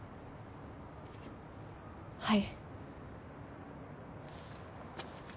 はい。